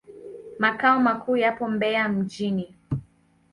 Makao makuu yapo Mbeya mjini.